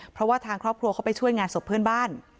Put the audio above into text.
เพราะว่าทางครอบครัวเขาไปช่วยงานศพเพื่อนบ้าน